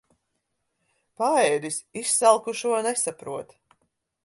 Paēdis izsalkušo nesaprot.